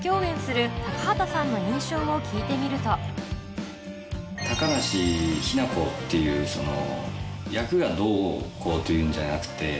今回高梨雛子っていうその役がどうこうというんじゃなくて。